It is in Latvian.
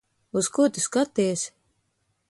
Uz ko tu skaties?